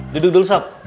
duduk dulu sob